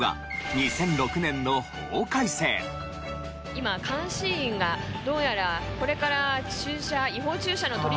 今監視員がどうやらこれから駐車。